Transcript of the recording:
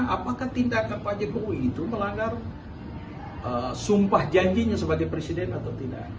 apakah tindakan pak jokowi itu melanggar sumpah janjinya sebagai presiden atau tidak